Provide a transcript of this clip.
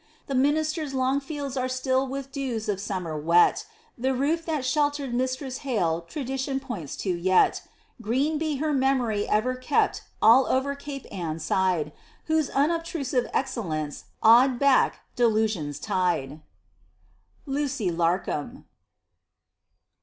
The minister's long fields are still with dews of summer wet; The roof that sheltered Mistress Hale tradition points to yet. Green be her memory ever kept all over Cape Ann Side, Whose unobtrusive excellence awed back delusion's tide! LUCY LARCOM.